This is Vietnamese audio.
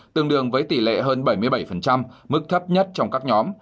tương đương với tỷ lệ hơn bảy mươi bảy mức thấp nhất trong các nhóm